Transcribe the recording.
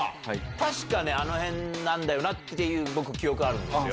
確かね、あのへんなんだよなっていう、僕、記憶があるんですよ。